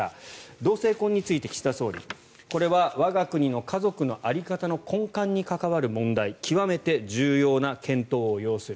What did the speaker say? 同性婚について岸田総理これは我が国の家族の在り方の根幹に関わる問題極めて重要な検討を要する。